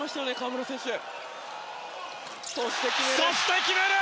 そして、決める！